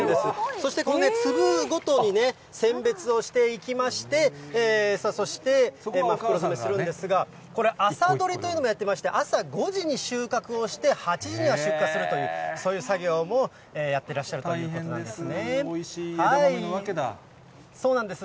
そしてこの粒ごとに選別をしていきまして、そして、今、お母さんがしてるんですが、これ、朝どりというのもやってまして、朝５時に収穫をして、８時には出荷するという、そういう作業もやっていらっしゃるとい大変です、おいしい枝豆な訳そうなんです。